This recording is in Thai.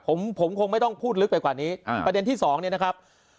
ผมผมคงไม่ต้องพูดลึกไปกว่านี้ประเด็นที่สองเนี่ยนะครับ